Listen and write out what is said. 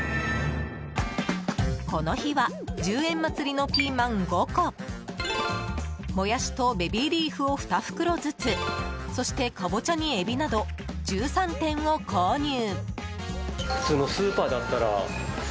この日は１０円祭りのピーマン５個モヤシとベビーリーフを２袋ずつそしてカボチャにエビなど１３点を購入。